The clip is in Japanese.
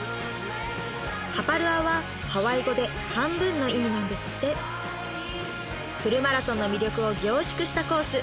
ハパルアはハワイ語で「半分」の意味なんですってフルマラソンの魅力を凝縮したコース